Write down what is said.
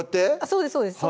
そうですそうです